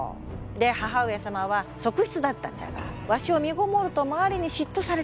で母上様は側室だったんじゃがわしをみごもると周りに嫉妬されてな。